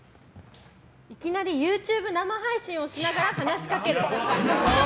いきなりＹｏｕＴｕｂｅ生配信をしながら話しかける。